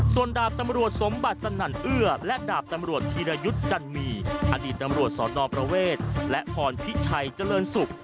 ส่วนดาบตำรวจสมบัติสนั่นเอื้อและดาบตำรวจธีรยุทธ์จันมีอดีตตำรวจสนประเวทและพรพิชัยเจริญศุกร์